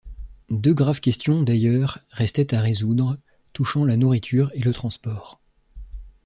Deux graves questions, d’ailleurs, restaient à résoudre, touchant la nourriture et le transport.